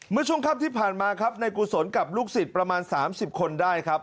เมื่อช่วงค่ำที่ผ่านมาครับในกุศลกับลูกศิษย์ประมาณ๓๐คนได้ครับ